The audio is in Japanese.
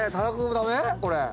これ。